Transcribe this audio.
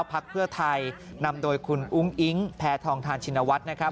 พักเพื่อไทยนำโดยคุณอุ้งอิ๊งแพทองทานชินวัฒน์นะครับ